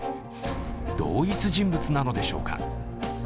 同一人物なのでしょうか？